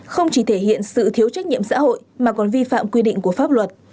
không chỉ thể hiện sự thiếu trách nhiệm xã hội mà còn vi phạm quy định của pháp luật